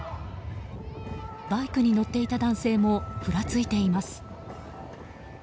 バイクに乗っていた男性もふらついています。